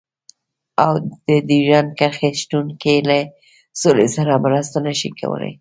او د ډيورنډ کرښې شتون کې له سولې سره مرسته نشي کولای.